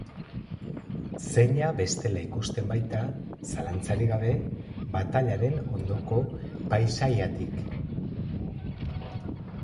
Zeina bestela ikusten baita, zalantzarik gabe, batailaren ondoko paisaiatik.